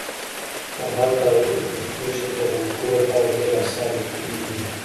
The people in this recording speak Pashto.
فرهاد داوري د پښتو ژبي د غني کولو لپاره ډير اثار لیکلي دي.